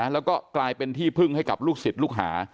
แล้วก็กลายเป็นที่พึ่งให้กับลูกศิษย์ลูกหา